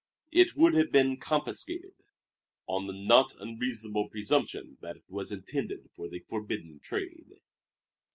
It would have been confiscated, on the not unreasonable presumption that it was intended for the forbidden trade.